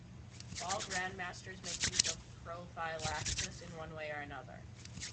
All grandmasters make use of prophylaxis in one way or another.